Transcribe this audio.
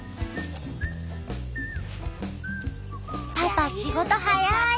パパ仕事早い！